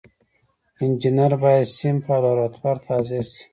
انجینر باید صنف او لابراتوار ته حاضر شي.